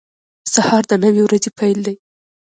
• سهار د نوې ورځې پیل دی.